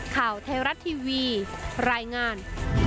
ข่าวไทยรัฐทีวีรายงาน